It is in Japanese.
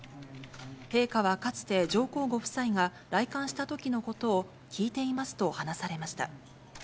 陛下はかつて、上皇ご夫妻が来館したときのことを、聞いていますと話されました。